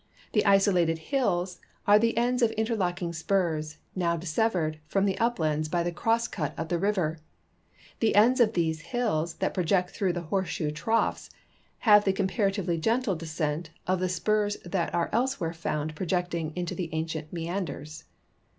The isolated hills are the ends of interlocking spurs, now dissevered from the up lands hy the cross cut of the river ; the ends of these hills that project into the horseshoe troughs have the comparative!}" gentle descent of the spurs that are elsewhere found projecting into the actual meanders.